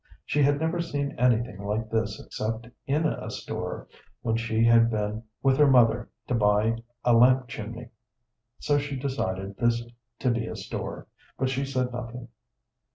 She had never seen anything like this except in a store, when she had been with her mother to buy a lamp chimney. So she decided this to be a store, but she said nothing.